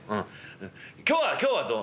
今日は今日はどう？」。